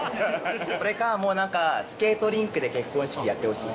それか、もうなんか、スケートリンクで結婚式やってほしい。